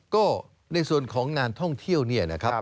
ก็ในส่วนของงานท่องเที่ยว